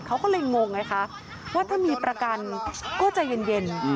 เขาก็เลยงงไงคะว่าถ้ามีประกันก็ใจเย็น